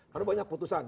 karena banyak putusan